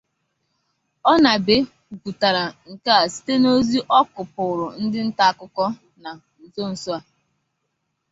Onabe kwupụtara nke a site n'ozi ọ kụpụụrụ ndị nta akụkọ na nsonso a.